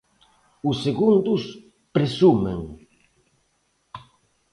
Os segundos presumen.